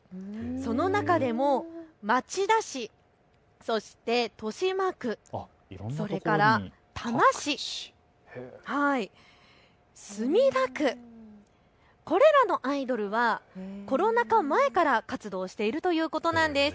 その中でも町田市、豊島区、多摩市、墨田区、これらのアイドルはコロナ禍前から活動しているということなんです。